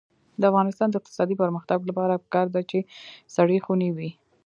د افغانستان د اقتصادي پرمختګ لپاره پکار ده چې سړې خونې وي.